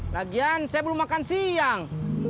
lagian saya belum makan siang